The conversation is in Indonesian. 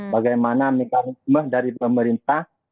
bagaimana mekanisme dari pemerintah